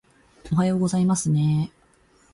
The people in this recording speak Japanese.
おはようございますねー